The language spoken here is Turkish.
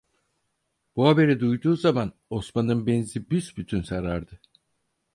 Bu haberi duyduğu zaman Osman'ın benzi büsbütün sarardı.